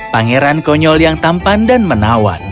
pangeran konyol yang tampan dan menawan